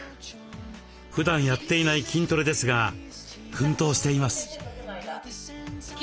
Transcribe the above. ふだんやっていない筋トレですが奮闘しています。